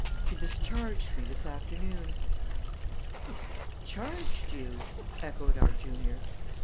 "She discharged me this afternoon." "Discharged you!" echoed our junior.